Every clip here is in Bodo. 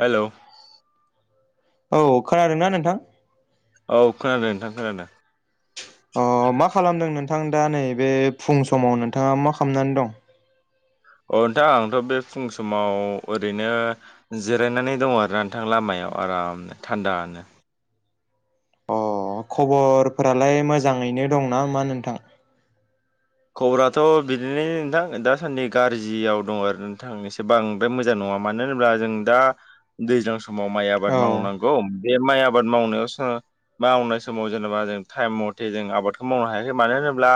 हेल' औ खोनादोंना नोंथां? औ खोनादों नोंथां खोनादों। अ मा खालामदों नोंथां दा नै बे फुं समाव नोंथाङा मा खालामनानै दं? अ नोंथां आंथ' बे फुं समाव ओरैनो जिरायनानै दङ आरोना नोंथां लामाया। आराम थान्दानो अ खबरफोरालाय मोजाङैनो दंना मा नोंथां? खबराथ' बिदिनो नोंथां दासान्दि गाज्रियाव दं आरो नोंथां एसे बांद्राय मोजां नङा। मानो होनब्ला जों दा दैज्लां समाव माइ आबाद औ मावनांगौ। बे माइ आबाद मावनायावसो मावनाय समाव जेनेबा जों टाइम मथे जों आबादखौ मावनो हायाखै मानो होनोब्ला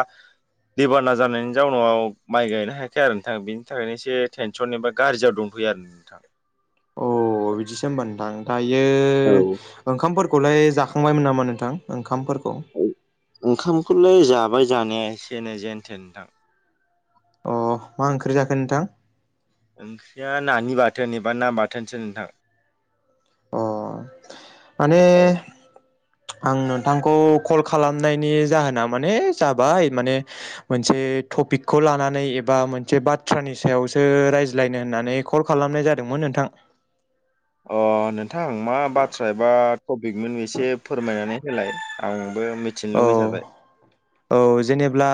दैबाना जानायनि जाउनाव माइ गायनो हायाखै आरोना बेनि थाखायनो एसे टेनसन एबा गाज्रियाव दंथयो आरो। थां बेयो औ ओंखामफोरखौलाय जाखांबायमोन नामा नोंथां ओंखामफोर? ओंखामखौलाय जाबाय जानाया एसेनै जेनथेदां अ मा ओंख्रि जाखो नोंथां? ओंख्रिया नानि बाथोन एबा ना बाथोनसो नोंथां। अ माने आं नोंथांखौ कल खालामनायनि जाहोना माने जाबाय माने मोनसे थपिकखौ लानानै एबा मोनसे बाथ्रानि सायावसो रायज्लायनो होननानै कल खालाम नायजादोंमोन नोंथां? अ नोंथां मा बाथ्रा एबा टपिकमोन एसे फोरमायनानै होलाय आं? औ औ जेनेब्ला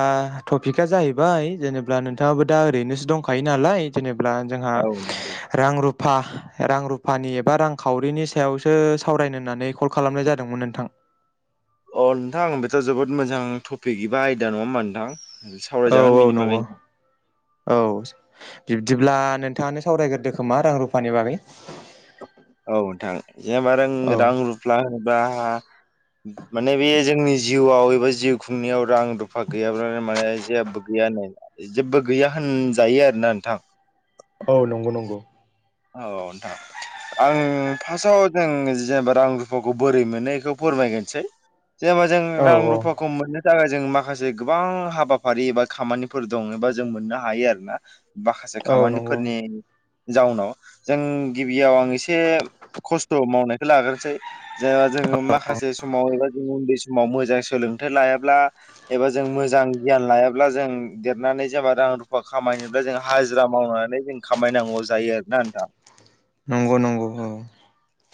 टपिकआ जाहैबाय जेनेब्ला नोंथाङाबो दा ओरैनोसो दंखायो नालाय जेने ब्ला जोंहा अ रां रु फा रां रुफानि एबा रांखावरिनि सायावसो सावरायनो होन्नानै कल खालामनाय जादोंमोन नोंथां। [inaudible] अ नोंथांं बेथ' जोबोद मोजां टपिक एबा आयदा नङा होमबा नोंथां। औ सावरायजागोन औ बेनि बागै नंगौ औ बिब्दिब्ला नोंथाङानो सावरायग्रोदो खोमा रां रुफानि बागै। औ नोंथां जेनेबा रों औ रां रुफ्ला होनोब्ला [inaudible] माने बे जोंनि जिउआव एबा जिउ खुंनायाव रां रुफा गैयाब्लानो माने जेबो गैया हो जेबो गैया होनजायो आरोना नोंथां। औ नंगौ नंगौ औ नोंथां आं फास्टआव जों जेनेबा रां रुफाखौ बोरै मोनो इखौ फोरमायग्रोनोसै जेनेबा जों औ रां औ रुफाखौ मोननो थाखाय जों माखासे गोबां हाबाफारि एबा खामानिफोर दं एबा जों मोननो हायो आरो ना माखासे औ नंगौ खामानिफोरनि जाउनाव जों गिबियाव आं एसे खस्थ' मावनायखौ लाग्रोसै जोंहा जोङो माखासे समाव एबा जों उन्दै समाव मोजां सोलों थाइ लायाब्ला एबा जों मोजां गियान लायाब्ला जों देरनानै जेबा रां रुफा खामायनो दा जों हाजिरा मावनानै जों खामायनांगौ जायो आरोना नोंथां। नंगौ नंगौ औ।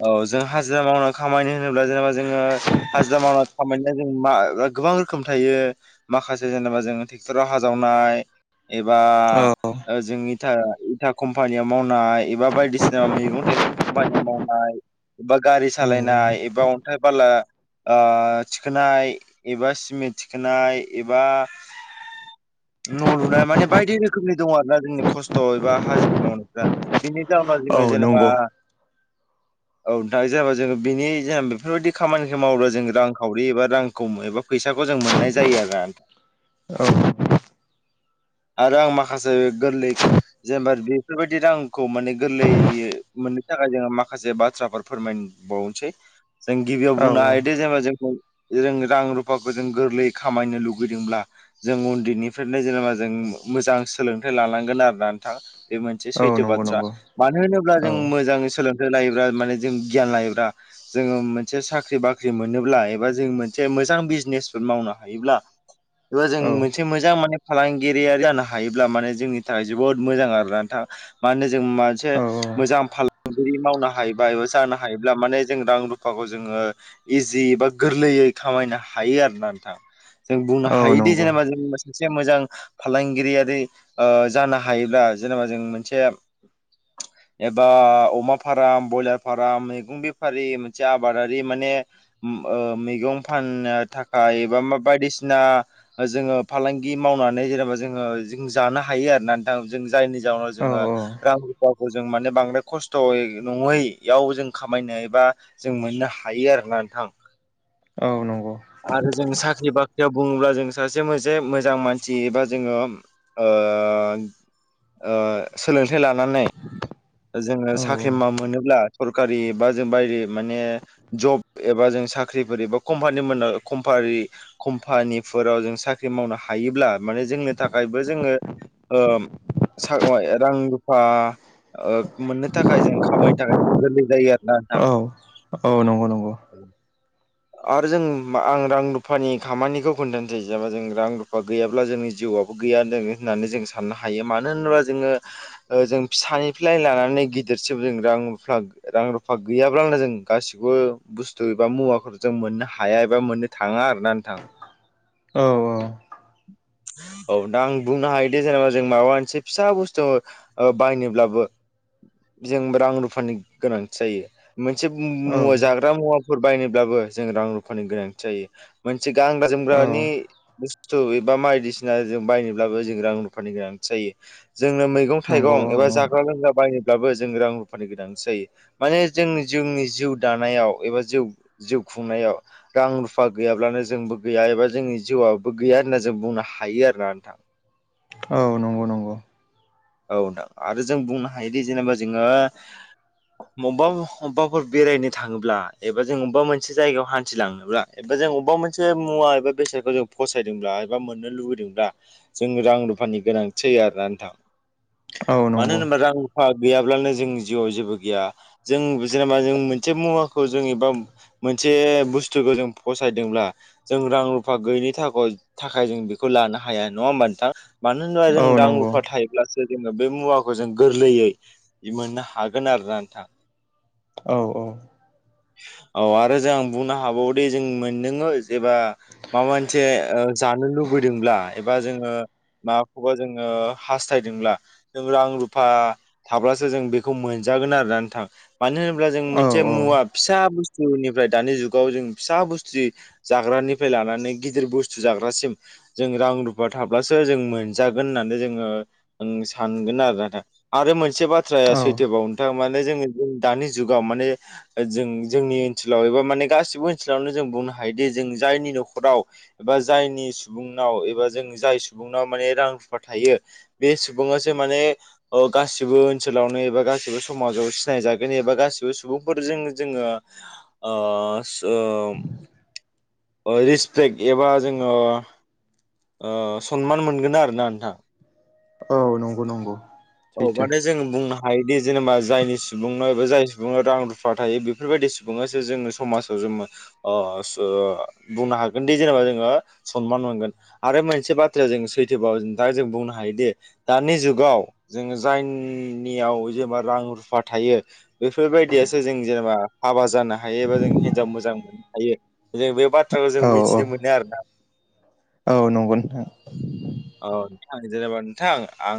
औ जों हाजिरा मावना खामायनो होनोब्ला जेनेबा जोङो हाजिरा मावना खामायनाया जों मा ओ गोबां रोखोम थायो माखासे जेनेबा जों ट्रेक्टराव हा जावनाय एबा औ ओ जों इथा इथा कम्पानियाव मावनाय एबा बायदिसिना मैगं थाइगं कम्पानियाव माव नाय एबा गारि सालायनाय एबा अन्थाइ बाला ओ थिखोनाय एबा सिमेन्ट थिखोनाय एबा न' लुनाय माने बायदि रोखोमनि दङ आरो ना जोंनि खस्थ' एबा हाजिरा मावनायफ्रा बिनि जाउ औ फाजिनो जेनेबा नंगौ औ दा जेनेबा जोङो बिनि जेन बेफोरबायदि खामानिखौ मावोब्ला जों रांखावरि एबा रांखौ एबा फैसा खौ जों मोननाय जायो आरोना औ आरो आं माखासे गोरलै जेनेबा बेफोरबायदि रांखौ माने गोरलैयै मोननो थाखाय जोङो माखा खासे बाथ्राफोर फोरमायबावनोसै जों गिबियाव औ बुंनो हायोदि जेनेबा जोंखौ जों रां रुफाखौ जों गोरलै खामायनो लुगैदोंब्ला जों उन्दैनिफ्रायनो जेनेबा जों मोजां सोलोंथाइ लानांगोन आरोना नोंथां बे मोनसे औ सैथो नंगौ बाथ्रा नंगौ मानो होनोब्ला औ जों मोजां सोलों थाय लायोब्ला माने जों गियान लायोब्ला जोङो मोनसे साख्रि बाख्रि मोनोब्ला एबा जों मोनसे मोजां बिजनेसफोर मावनो हायोब्ला बेबो जों औ मोनसे मोजां माने फालांगिरियारि जानो हायोब्ला माने जोंनि थाखाय जोबोद मोजां आरो ना नोंथां मानो जों मानसे औ मोजां फाल जुदि मावनो हायोबा एबा जानो हायोब्ला माने जों रां रुफाखौ जोङो इजि ए बा गोरलैयै खामायनो हायो आरोना नोंथां। जों बुंनो औ हायोदि नंगौ जेनेबा जों सासे मोजां फालांगिरियारि ओ जानो हायोब्ला जेनेबा जों मोनसे एबा अ अमा फार्म ब्रयलार फार्म मैगं बेफारि मोनसे आबादारि माने उम ओ मैगं फाननो थाखाय एबा बायदिसिना जोङो फालांगि मावनानै जेनेबा जोङो जों जानो हायो आरो ना नोंथां जों जायनि जाहोनाव औ जोंङो रां रुफाखौ जों माने बांद्राय खस थयै' नङैयाव जों खामायनो एबा जों मोननो हायो आरोना नोंथां। औ नंगौ आरो जों साख्रि बाख्रियाव बुङोब्ला जों सासे मोनसे मोजां मानसि एबा जोंङो ओ ओ ओ सोलोंथाइ लानानै जोंङो सा औ साख्रि मा मोनोब्ला सरकारि एबा जों बायदि माने जब एबा जों साख्रिफोर एबा कम्पानि मोन कमफानि कम्पानिफोराव जों साख्रि मावनो हायोब्ला माने जोंनि थाखाय बो जोंङो ओ सा रां रुफा ओ मोननो थाखाय जों खामायनो थाखाय जों गोरलै जायो आरो ना नोंथां। औ नंगौ नंगौ आरो जों आं रां रुफानि खामानिखौ खोन्थानोसै जेनेबा जों रां रुफा गैयाब्ला जोंनि जिउ जेबो गैया होननानै जों साननो हायो मानो होनोबा जोंङो जों फिसानिफ्राय लानानै गिदिरसिबो जों रां रुफा रां रुफा गैयाब्ला जों गासिखौबो बुस्थु एबा मुवाफोर जों मोननो हाया एबा मोननो थाङा आरो ना नोंथां। औ औ। औ दा आं बुंनो हायोदि जेनेबा जों माबा मोनसे फिसा बुस्थु ओ बायनोब्लाबो जों रां रुफानि गोनांथि जायो मोनसे औ मु-मु-मुवा जाग्रा मुवाफोर बायनोब्लाबो जों रां रुफानि गोनांथि जायो मोनसे गानग्रा औ जोमग्रानि बुस्थु एबा बायदिसिना बायनोब्लाबो जों रां रुफानि गोनांथि जायो जोंनो मैगं नंगौ थाइगं एबा औ जाग्रा लोंग्रा बायनोब्लाबो जों रां रुफानि गोनांथि जायो माने जों जोंनि जिउ दानायाव एबा जिउ जिउ खुंनायाव रां रुफा गैयाब्लानो जोंबो गैया एबा जोंनि जिउआबो गैया होनना जों बुंनो हायो। आरोना नोंथां। औ नंगौ नंगौ। औ नोंथां आरो जों बुंनो हायोदि जेनेबा जोंङो बबेबा अबेबाफोर बेरायनो थाङोब्ला एबा जों अबेबा मोनसे जायगायाव हान्थिलांनोब्ला एबा जों अबेबा मोनसे मुवा एबा बेसादखौ जों फसायदोंब्ला एबा मोननो लुबैदोंब्ला जों रां रुफानि गोनांथि आरोना नोंथां औ मानो नंगौ होनोबा रां गैयाब्लानो जों जिउआव जेबो गैया जों जेनेबा जों मोनसे मुवाखौ जों एबा मोनसे बुस्थुखौ जों फसायदोंब्ला जों रां रुफा गैयैनि थाखय थाखाय जों बेखौ लानो हाया नङा होनबा नोंथां मानो होनबा औ जों रां नंगौ रुफा थायोब्लासो जोंङो बे मुवाखौ जों गोरलैयै मोननो हागोन आरोना नोंथां। औ औ। औ आरो जोंं बुंनो हाबावो दे जों मोनदङो जेबा माबा मोनसे ओ जानो लुगैदोंब्ला एबा जोंङो माखौबा जोंङो हासथाय दोंब्ला जों रां रुफा थाब्लासो जों बेखौ मोनजागोन आरो नोंथां मानो होनोब्ला जों औ मोनसे मुवा फिसा बुस्थुनिफ्राय दानि जुगाव जों फिसा बुस्थु जाग्रानिफ्राय लानानै गिदिर बुस्थु जाग्रासिम जों रां रुफा थाब्लासो जों मोनजागोन होननानै जोंङो सानगोन आरो नोंथां आरो मोनसे बाथ्राया औ सैथोबाव नोंथां। माने दानि जुगाव माने जों जोंनि ओनसोलाव एबा माने गासिबो ओनसोलावनो जों बुंनो हायोदि जों जायनि नखराव एबा जायनि सुबुंनाव एबा जों जाय सुबुंनाव माने रां रुफा थायो। बे सुबुङासो माने गासिबो ओनसोलावनो एबा गासिबो समाजाव सिनायजागोन एबा गासि गासिबो सुबुंफोरजों जोंङो ओ ओ [inaudible] रिसपेक्ट एबा जोंङो ओ सनमान मोनगोन आरोना नोंथां। औ नंगौ नंगौ अ माने सैथो जों बुंनो हायोदि जेनेबा जायनि सुबुंनाव एबा जाय सुबुंनाव रां रुफा थायो बेफोरबायदि सुबुंआसो जोंनि समाजाव ओ सो बुंनो हागोन दि जेनेबा जोंङो समान मोनगोन आरो मोनसे बा बाथ्राया जों सैथोबाव दा जों बुंनो हायोदि दानि जुगाव जोङो जायनियाव जेनेबा रां रुफा थायो बेफोरबायदियासो जों जेनेबा हाबा जानो हायो एबा जों हिन्जाव मोजां मोननो हायो जों बे बाथ्राखौ जों औ मिथिनो मोनो आरोना। औ नंगौ। नोंथां औ नोंथां जेनेबा नोंथां आं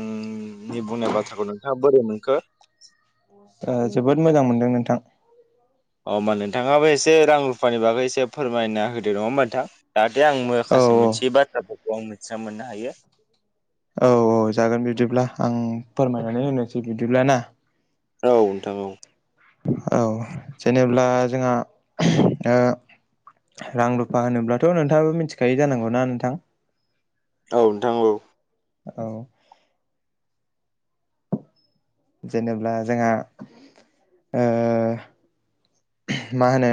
नि बुंनाय बाथ्राखौ नोंथाङा बोरै मोनखो? ओ जोबोद मोजां मोनदों नोंथां। अ होमबा नोंथाङाबो एसे रां रुफानि बागै एसे फोरमायना होदो नङा होमबा नोंथां दा दे आं औ माखासे मोनसे बाथ्राफोरखौ आं मिथिना मोननो हायो। औ औ जागोन बिदिब्ला आं फोरमायनानै होनोसै बिदिब्ला ना। औ नोंथां औ। औ जेनेब्ला जोंहा ओ रां रुफा होनोब्लाथ' नोंथाङाबो मिथिखायो जानांगौना नोंथां? औ नोंथां औ औ जेनेबा जोंहा ओ मा होनो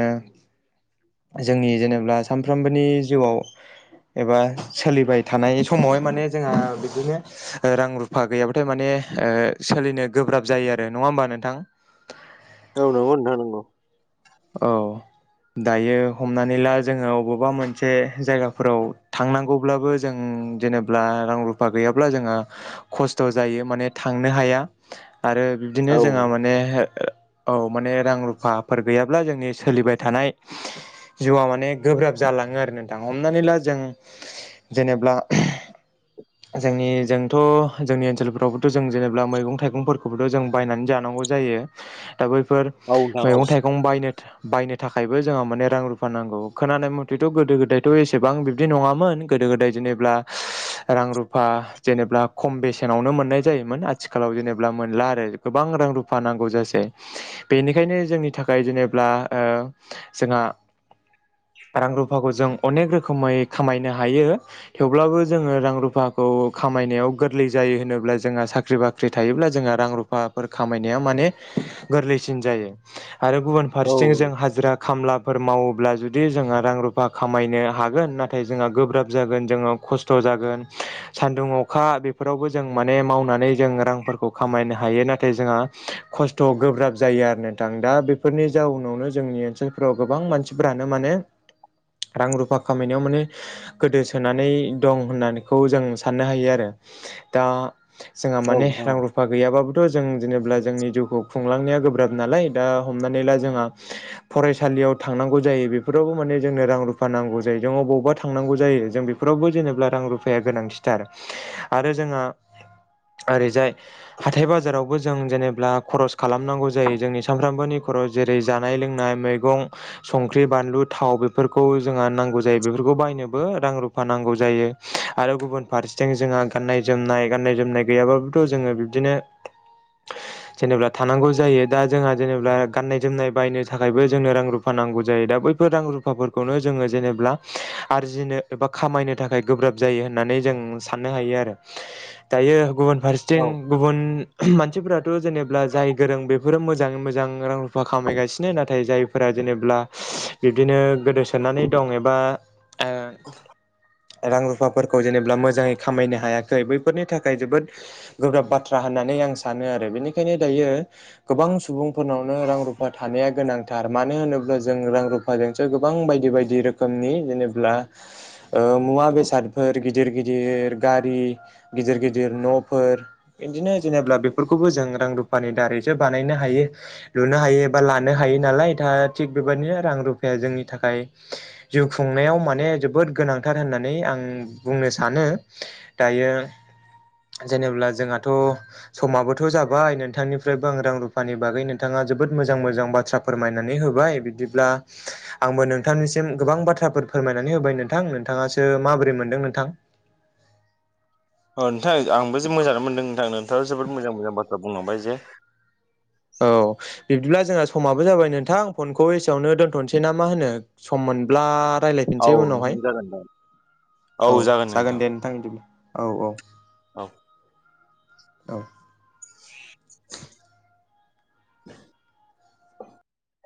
जोंनि जेनेबा सानफ्रोमबोनि जिउआव एबा सोलिबाय थानाय समावहाय माने जोंहा बिदिनो ओ रां रुफा गैयाबाथाय माने दे ओ सोलिनो गोब्राब जायो आरो नङा होमबा नोंथां? औ नंगौ नोंथां नंगौ औ दायो हमनानै ला जोङो अबावबा मोनसे जायगाफोराव थांनांगौब्लाबो जों जेनेब्ला रां रुफा गैयाब्ला जोङो खस्थ' जायो माने थांनो हाया। आरो बिबदिनो औ जोंहा नोंथां माने औ माने रां रुफाफोर गैयाब्ला जोंनि सोलिबाय थानाय जिउआ माने गोब्राब जालाङो आरो नोंथा हमनानै ला जों जेनेब्ला जोंनि जोंथ' जोंनि ओनसोलफ्रावबोथ' जों जेनेबा मैगं थाइगंफोरखौबोथ' जों बायनानै जानां गौ थारो। दा बैफोर औ नोंथां औ मैगं थाइ गं बायनो थाखायबो जोंहा माने रां रुफा नांगौ खोनानाय मथेथ' गोदो गोदायथ' एसेबां बिदि नङामोन गोदो गोदाय जेनेब्ला रां रुफा जेनेब्लख खम बेसेनावनो मोननाय जायो मोन आथिखालाव जेनेबा मोनला आरो गोबां रां रुफा नांगौ जासै बेनिखायनो जोंनि था खाय जेनेब्ला ओ जोंहा रां रुफाखौ जों अनेक रोखोमै खामायनो हायो थेवब्लाबो जोङो रां रुफाखौ खामायनायाव गोरलै जा यो होनोब्ला जोंहा साख्रि बाख्रि थायोब्ला जोंहा रां रुफाफोर खामायनाया माने गोरलैसिन जा यो आरो गुबुन औ फारसें जों हाजिरा खामलाफोर मावोब्ला जुदि जोंहा रां रुफा खामायनो हागोन नाथाय जोंहा गोब्राब जागोन जोङो खस्थ' जागोन सान्दुं अखा बेफोरावबो जों माने मावनानै जों रांफोरखौ खामायनो हा हायो नाथाय जोंहा खस्थ' गोब्राब जायो आरो नोंथां दा बे ब्फोरनि जाउनावनो जोंनि ओनसोलफोराव गोबां मानसिफोरानो माने रां रुफा खामायनायाव माने गोदोसोनानै दं होननानैखौ जों साननो हायो आरो। दा जोंहा माने नोंथां रां औ रुफा गैयाबाबोथ' जों जेनेबा जोंनि जिउखौ खुंलांनाया गोब्राब नालाय दा हमनानै ला जोंहा फरायसालियाव थांनांगौ जायो बेफोरावबो माने जोंनो रां रुफा नांगौ जायो। बबावबा थांनांगौ जायो जों बेफोरावबो जेनेबा रां रुफाया गोनांथिथार आरो जोंहा ओरैजाय हाथाय बाजारावबो जों जेनेबा खरस खालामनांगौ जायो जोंनि सानफ्रामबोनि खराव जेरै जानाय लोंनाय मैगं संख्रि बानलु थाव बेफोरखौ जोंहा नांगौ जायो बेफोरखौ बायनोबो रां रुफा नांगौ जायो आरो गुबुन फारसेथिं जोंहा गाननाय जोमनाय गाननाय जोमनाय गैयाबोथ' जोङो बिदिनो जेनेब्रा थानांगौ जायो दा जोंहा जेबा गाननाय जोमनाय बायनो थाखायबो जोंनो रां रुफा नांगौ जायो दा बैफोर रां रुफाफोरखौनो जोङो जेनेब्ला आरजिनो एबा खामायनो थाखाय गोब्राब जायो होननानै जों साननो हायो आरो। दायो गुबुन औ फारसेथिं नोंथां गुबुन मानसिफोराथ' जेनेब्ला जाय गोरों बेफोरो मोजाङै मोजां रां रु फा खामायगासिनो नाथाय जायफोरा जेनेब्ला बिब्दिनो गोदोसोनानै दं एबा ओ [unintelligible] रां रुफाफोरखौ जेनेबा मोजाङै खामायनो हायाखै बैफोरनि थाखाय जोबोद गोब्राब बाथ्रा होना नानै आं सानो आरो बेनिखायनो दायो गोबां सुबुंफोरनावनो रां धार मानो होनोब्ला जों रां रुफाजोंसो गोबां बायदि बायदि रोखोमनि जेनेब्ला ओ ओ मुवा बेसादफोर गिदिर गिदिर गारि गिदिर गिदिर न'फोर जेनब्ला बेफोरखौबो जों रां रुफानि दारैसो बानायनो हायो। हायो एबा लानो हायो नालाय दा थिग बेबायदिनो रां रुफाया जोंनि थाखाय जिउ खुंनायाव माने जोबोद गोनांथार होननानै आं बुंनो सानो दायो जेनेब्ला जोंहाथ' समाबोथ' जाबाय नोंथांनिफ्रायबो आं रां रुफानि बागै नोंथाङा जोब बोद मोजां मोजां बाथ्रा फोरमायनानै होबाय बिदिब्ला आंबो नोंथांनिसिम गोबां बाथ्राफोरखो फोरमायनानै होबाय नोंथां नोंथाङासो माबोरै मोनदों नोंथां? अ नोंथां आंबो जे मोजाङानो मोनदों नोंथां नोंथाङा जोबोद मोजां मोजां बाथ्रा बुंलांबाय जे। औ बिब्दिब्ला जोंहा समाबो जाबाय नोंथां फनखौ एसेयावनो दोनथ'नोसै ना मा होनो? सम मोनब्ला औ रायज्लायफिनसै उनावहाय नोंथां जागोन औ जागोन दे नोंथां बिदि औ औ। औ। औ [unintelligible]